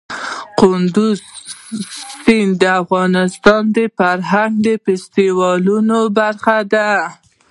کندز سیند د افغانستان د فرهنګي فستیوالونو برخه ده.